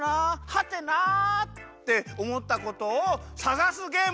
はてな？」っておもったことをさがすゲームです。